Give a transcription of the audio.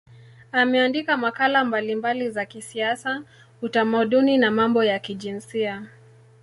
Ameandika makala mbalimbali za kisiasa, utamaduni na mambo ya kijinsia.